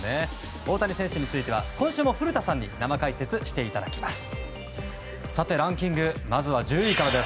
大谷選手については今週も古田さんに生解説していただきます。